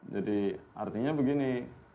jadi artinya begini